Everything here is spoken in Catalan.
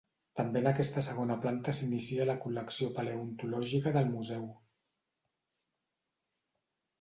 També en aquesta segona planta s'inicia la col·lecció paleontològica del museu.